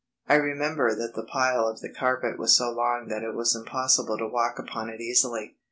I remember that the pile of the carpet was so long that it was impossible to walk upon it easily.